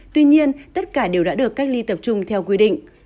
tuy nhiên tất cả đều đã được cách ly tập trung theo quy định